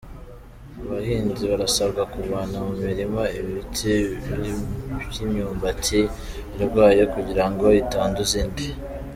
Abahinzi barasabwa kuvana mi mirima ibiti by’imyumbati irwaye kugirango itanduza indi.